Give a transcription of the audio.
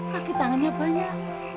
kaki tangannya banyak